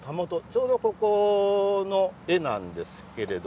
ちょうどここの絵なんですけど。